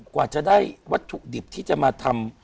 กว่าจะได้วัตถุดิบที่จะมาทำ